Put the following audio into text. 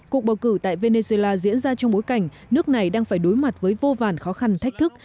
cuộc bầu cử tại venezuela diễn ra trong bối cảnh nước này đang phải đối mặt với vô vàn khó khăn thách thức